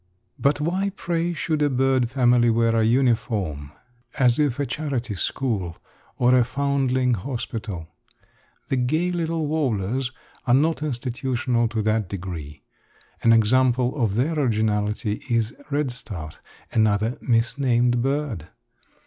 But why, pray, should a bird family wear a uniform, as if a charity school or a foundling hospital? The gay little warblers are not institutional to that degree. An example of their originality is redstart another misnamed bird.